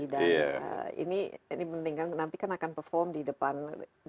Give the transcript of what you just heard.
dan ini mendingan nanti kan akan perform di depan dunia